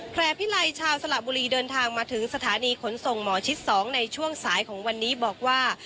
แพร่พิไลชาวสละบุรีเดินทางมาถึงสถานีขนส่งหมอชิด๒ในช่วงสายของวันนี้บอกว่า